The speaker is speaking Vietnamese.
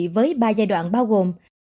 với ba giai đoạn bao gồm